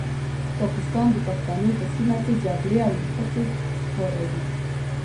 پاکستان د پښتنو په سیمه کې جګړې او نښتې پاروي.